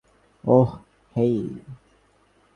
ওহ, হেই!